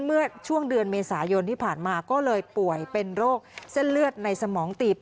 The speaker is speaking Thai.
เมื่อช่วงเดือนเมษายนที่ผ่านมาก็เลยป่วยเป็นโรคเส้นเลือดในสมองตีบ